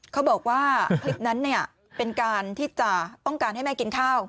เขาบอกว่าคลิปนั้นเป็นการที่จะต้องการให้แม่กินข้าว